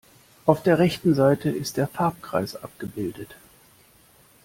Auf der rechten Seite ist der Farbkreis abgebildet.